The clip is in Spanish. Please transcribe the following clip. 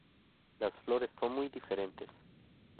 Las flores son muy diferentes.